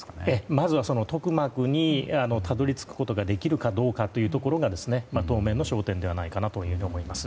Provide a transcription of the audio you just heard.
まずはトクマクにたどり着くことができるかどうかが当面の焦点ではないかなと思います。